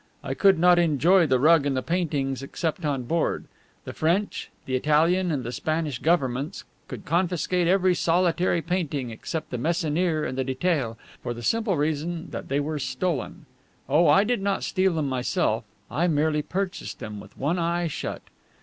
I could not enjoy the rug and the paintings except on board. The French, the Italian, and the Spanish governments could confiscate every solitary painting except the Meissonier and the Detaille, for the simple reason that they were stolen. Oh, I did not steal them myself; I merely purchased them with one eye shut.